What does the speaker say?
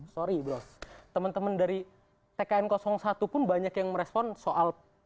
sorry bros teman teman dari tkn satu pun banyak yang merespon soal